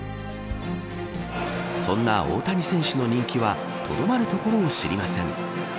そんな大谷選手の人気はとどまるところを知りません。